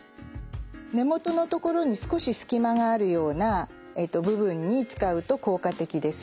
根元のところに少し隙間があるような部分に使うと効果的です。